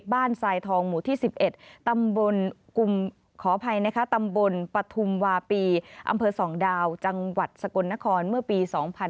บ้านทรายทองหมู่ที่๑๑ตำบลปฐุมวาปีอำเภอสองดาวจังหวัดสกลนครเมื่อปี๒๕๔๗